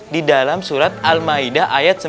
di dalam surat al ma'idah ayat sembilan